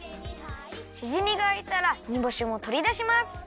しじみがあいたらにぼしもとりだします！